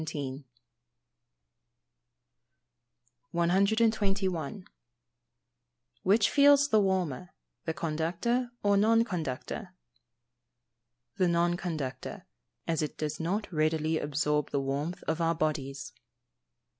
] 121. Which feels the warmer, the conductor or non conductor? The non conductor, as it does not readily absorb the warmth of our bodies.